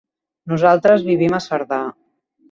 Nosaltres vivim a Cerdà.